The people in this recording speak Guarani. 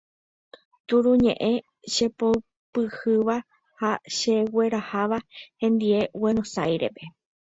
Turuñe'ẽme chepopyhýva ha chegueraháva hendive Guenosáirepe.